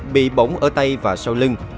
bị bỗng ở tay và sau lưng